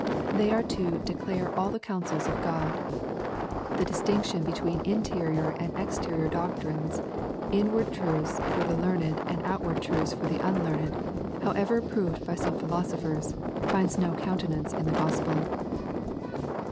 They are to " declare all the counsel of God." The distinction between interior and exterior doctrines, inward truths for the learned and outward truths for the unlearned, however approved by some philosophers, finds no countenance in the Gospel.